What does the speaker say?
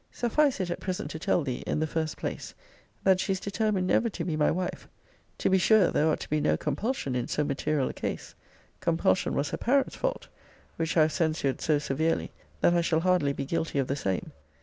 Suffice it at present to tell thee, in the first place, that she is determined never to be my wife. To be sure there ought to be no compulsion in so material a case. Compulsion was her parents' fault, which I have censured so severely, that I shall hardly be guilty of the same.